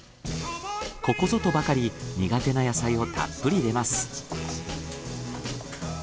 ここぞとばかり苦手な野菜をたっぷり入れます。